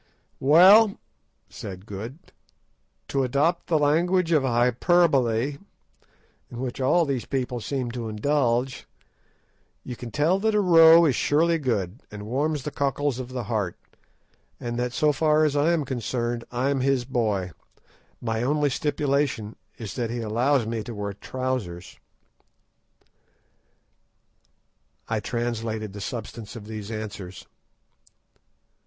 "Well," said Good, "to adopt the language of hyperbole, in which all these people seem to indulge, you can tell him that a row is surely good, and warms the cockles of the heart, and that so far as I am concerned I'm his boy. My only stipulation is that he allows me to wear trousers." I translated the substance of these answers.